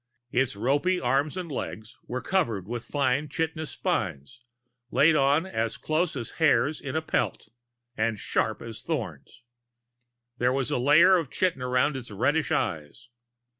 Its ropy arms and legs were covered with fine chitinous spines, laid on as close as hairs in a pelt, and sharp as thorns. There was a layer of chitin around its reddish eyes.